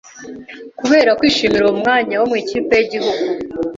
Kubera kwishimira uwo mwanya wo mu ikipe y'igihugu